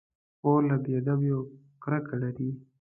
خور له بې ادبيو کرکه لري.